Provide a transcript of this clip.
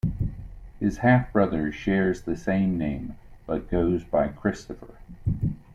His half brother shares the same name but goes by Christopher.